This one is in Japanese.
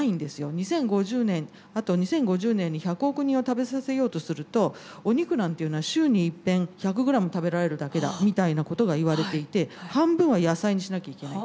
２０５０年あと２０５０年に１００億人を食べさせようとするとお肉なんていうのは週にいっぺん１００ｇ食べられるだけだみたいなことが言われていて半分は野菜にしなきゃいけない。